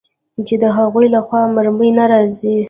چې د هغوى له خوا مرمۍ نه راځي.